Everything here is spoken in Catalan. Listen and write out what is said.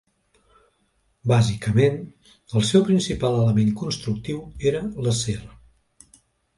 Bàsicament, el seu principal element constructiu era l'acer.